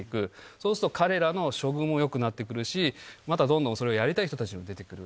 そうすると彼らの処遇もよくなってくるし、また、どんどん、それをやりたい人たちが出てくる。